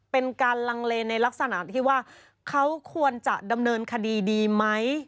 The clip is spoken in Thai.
เป็นการลังเลในลักษณะที่ว่าเขาควรจะดำเนินคดีดีไหม